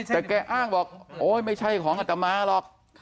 แต่แกอ้างบอกโอ๊ยไม่ใช่ของอัตมาหรอก